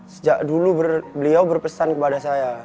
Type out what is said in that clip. sejak dulu beliau berpesan kepada saya